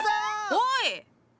おい！